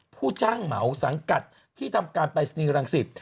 ผู้จ้างเหมาสังกัดที่ทำการปรายศนีย์รังสิต